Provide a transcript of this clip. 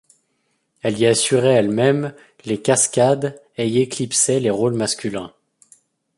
Elle y assurait elle-même les cascades et y éclipsait les rôles masculins.